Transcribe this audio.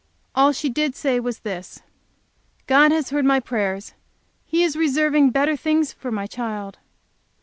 All she did say was this, "God has heard my prayers! He is reserving better things for my child!"